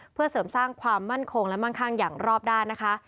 เพื่อเสริมสร้างความมั่นคงและมั่งข้างอย่างรอบด้านนะคะ